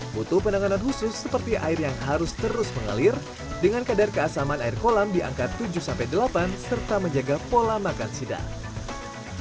butuh penanganan khusus seperti air yang harus terus mengalir dengan kadar keasaman air kolam di angka tujuh delapan serta menjaga pola makan sidat